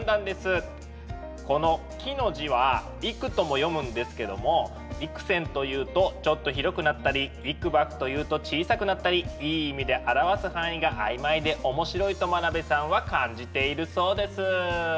この幾の字は幾とも読むんですけども幾千というとちょっと広くなったり幾ばくというと小さくなったりいい意味で表す範囲が曖昧で面白いと真鍋さんは感じているそうです。